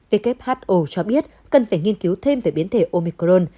who cho biết cần phải nghiên cứu thêm về biến thể omicron